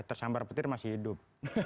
tersambar petir masih hidup